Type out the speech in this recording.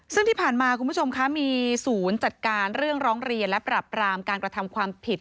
ซึ่งที่ผ่านมาคุณผู้ชมคะมีศูนย์จัดการเรื่องร้องเรียนและปรับรามการกระทำความผิด